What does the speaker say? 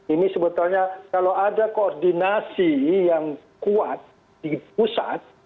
ini sebetulnya kalau ada koordinasi yang kuat di pusat